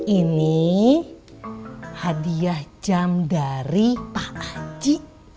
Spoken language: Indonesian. ini hadiah jam dari pak haji